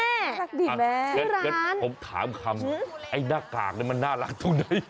น่ารักดิแม่ชื่อร้านผมถามคำไอ้หน้ากากมันน่ารักตรงไหน